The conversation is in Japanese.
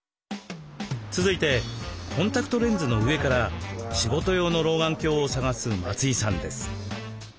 続いてコンタクトレンズの上から仕事用の老眼鏡を探す松井さんです。